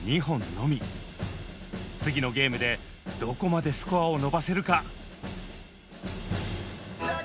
次のゲームでどこまでスコアを伸ばせるか。